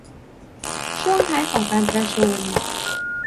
ช่วงท้ายของการประชุม